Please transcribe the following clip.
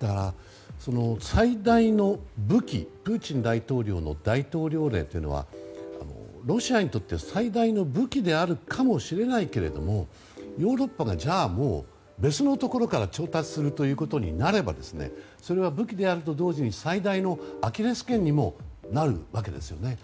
だから、プーチン大統領の大統領令というのはロシアにとって最大の武器であるかもしれないけれどヨーロッパが、じゃあ、もう別のところから調達するということになればそれは武器であると同時に最大のアキレス腱にもなるわけです。